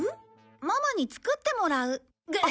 ママに作ってもらう。グッ。